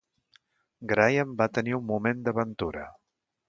Graham va tenir un moment d'aventura.